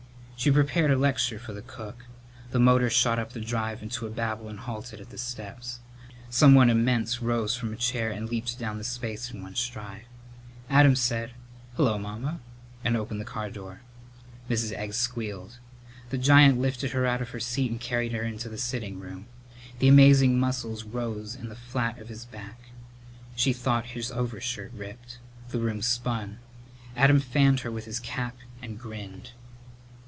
She prepared a lecture for the cook. The motor shot up the drive into a babble and halted at the steps. Someone immense rose from a chair and leaped down the space in one stride. Adam said, "H'lo, Mamma," and opened the car door. Mrs. Egg squealed. The giant lifted her out of her seat and carried her into the sitting room. The amazing muscles rose in the flat of his back. She thought his overshirt ripped. The room spun. Adam fanned her with his cap and grinned.